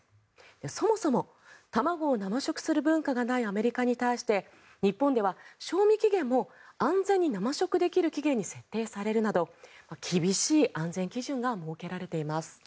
そもそも卵を生食する文化がないアメリカに対して日本では賞味期限も安全に生食できる期限に設定されるなど厳しい安全基準が設けられています。